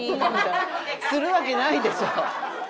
するわけないでしょ！